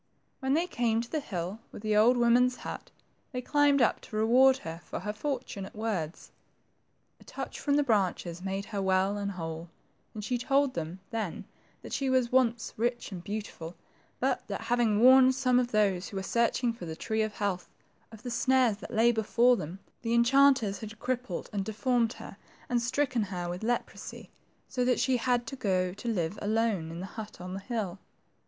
When they came to the hill with the old woman's hut, they climbed up to reward her for her fortunate words. A touch from the branches made her well and whole ; and she told them then that she was once rich and beautiful, but that having warned some of those who were searching for the tree of health, of the snares that lay before them, the enchanters had crippled and deformed her, and stricken her with leprosy, so that she had to go to live alone in the hut on the hill.